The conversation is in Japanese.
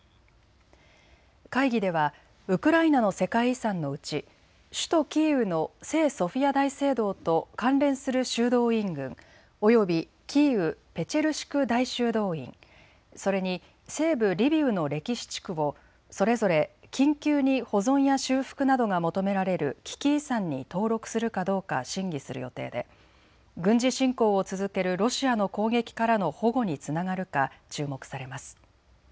会議ではウクライナの世界遺産のうち、首都キーウの聖ソフィア大聖堂と関連する修道院群、及びキーウ・ペチェルシク大修道院、それに西部リビウの歴史地区をそれぞれ緊急に保存や修復などが求められる危機遺産に登録するかどうか審議する予定で軍事侵攻を続けるロシアの攻撃からの保護につながるか注目されます。